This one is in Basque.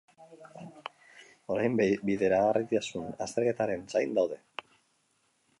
Orain, bideragarritasun azterketaren zain daude.